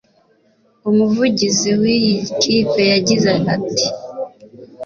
umuvugizi w’ iyi kipe yagize ati